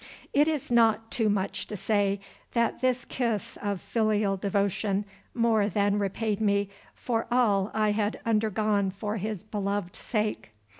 It is not too much to say that this kiss of filial devotion more than repaid me for all I had undergone for his beloved sake.